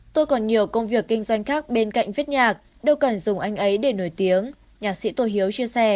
tôi còn nhiều công việc kinh doanh khác bên cạnh viết nhạc đâu cần dùng anh ấy để nổi tiếng nhạc sĩ tô hiếu chia sẻ